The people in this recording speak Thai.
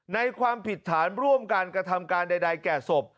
ความผิดฐานร่วมการกระทำการใดแก่ศพ